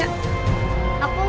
aku gak tahu